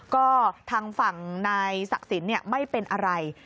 ก็ทางฝั่งนายศักดิ์สินไม่เป็นอะไร